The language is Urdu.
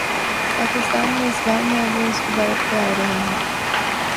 پاکستان میزبان ہے اور وہ اس کی دعوت پر آ رہے ہیں۔